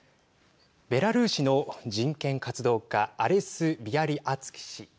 ベラルーシの人権活動家アレス・ビアリアツキ氏。